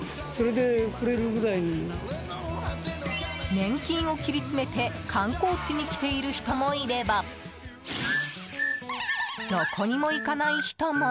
年金を切り詰めて観光地に来ている人もいればどこにも行かない人も。